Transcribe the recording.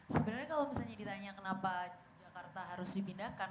sebenarnya kalau misalnya ditanya kenapa jakarta harus dipindahkan